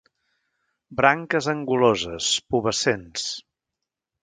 Branques anguloses, pubescents.